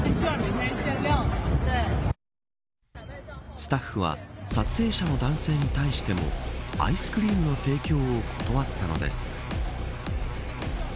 スタッフは撮影者の男性に対してもアイスクリームの提供を断ったのです。